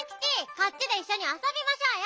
こっちでいっしょにあそびましょうよ。